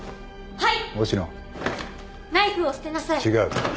はい。